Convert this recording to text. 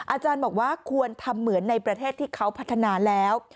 อาจารย์บอกว่าควรทำเหมือนในประเทศที่เขาพัฒนาแล้ว